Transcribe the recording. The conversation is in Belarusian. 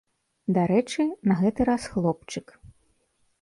Дарэчы, на гэты раз хлопчык.